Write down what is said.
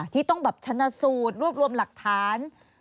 ที่ต้องแบบชนะสูตรรวบรวมหลักฐาน